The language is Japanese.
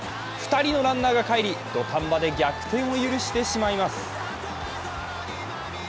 ２人のランナーが帰り土壇場で逆転を許してしまいます。